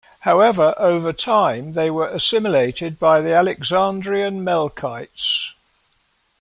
However, over time, they were assimilated by the Alexandrian Melkites.